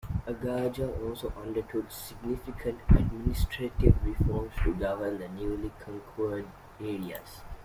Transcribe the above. Agaja also undertook significant administrative reforms to govern the newly conquered areas.